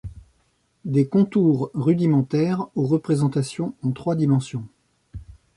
Des contours rudimentaires aux représentations en trois dimensions.